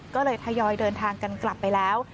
ก็เลยทยอยเดินทางกันกลับไปแล้ว